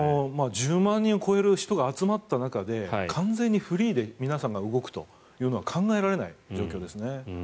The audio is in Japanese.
１０万人を超える人が集まった中で、完全にフリーで皆さんが動くというのは考えられない状況ですね。